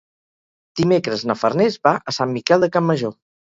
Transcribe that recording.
Dimecres na Farners va a Sant Miquel de Campmajor.